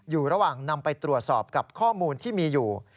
อยู่ระหว่างนำไปตรวจสอบกับข้อมูลที่มีอยู่